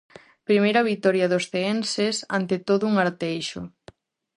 Primeira vitoria dos ceenses ante todo un Arteixo.